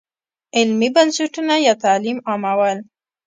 علمي بنسټونه یا تعلیم عامول.